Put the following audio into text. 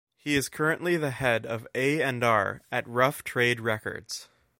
He is currently the head of A and R at Rough Trade Records.